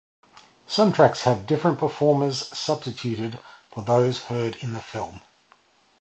Some tracks have different performers substituted for those heard in the film.